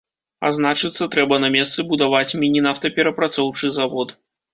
А значыцца, трэба на месцы будаваць міні-нафтаперапрацоўчы завод.